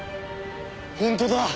本当だ。